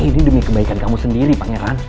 ini demi kebaikan kamu sendiri pangeran